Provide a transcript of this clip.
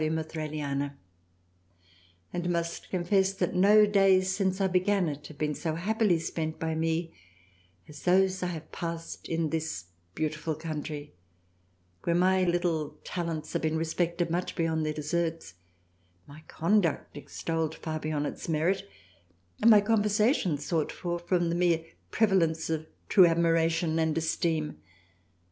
of Thraliana, and must confess that no Days since I began it have been so happily spent by me as those I have passed in this beautiful country ; v^rhere my little Talents have been respected much beyond their Deserts : my Conduct extolled far above its Merit, and my Conversation sought for from the mere Prevalence of true admira tion and Esteem.